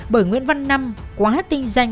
bởi nguyễn văn năm quá tinh danh